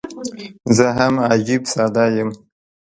زه هم عجيب ساده یم.